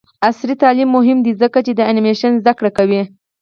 عصري تعلیم مهم دی ځکه چې د انیمیشن زدکړه کوي.